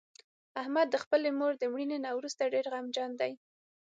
احمد د خپلې مور د مړینې نه ورسته ډېر غمجن دی.